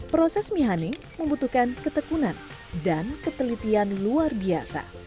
proses mihani membutuhkan ketekunan dan ketelitian luar biasa